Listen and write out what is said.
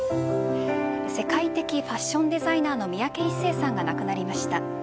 世界的ファッションデザイナーの三宅一生さんが亡くなりました。